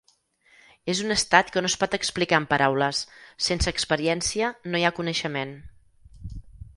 És un estat que no es pot explicar en paraules: sense experiència, no hi ha coneixement.